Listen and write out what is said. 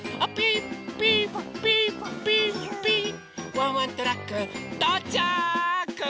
ワンワントラックとうちゃく！